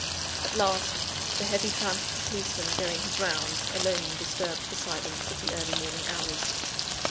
At last, the heavy tramp of the policeman going his rounds, alone disturbed the silence of the early morning hours.